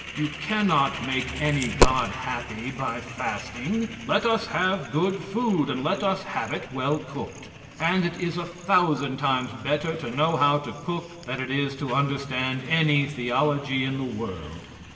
You can not make any God happy by fasting. Let us have good food, and let us have it well cooked and it is a thousand times better to know how to cook it than it is to understand any theology in the world.